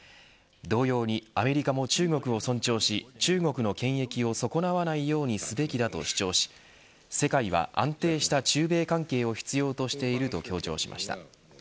同様にアメリカも中国を尊重し中国の権益を損なわないようにすべきだと主張し世界は安定した中米関係を必要としていると強調しました。